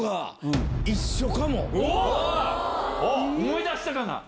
思い出したかな？